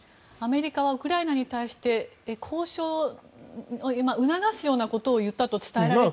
アメリカはウクライナに対して交渉を促すようなことを言ったと伝えられていますが。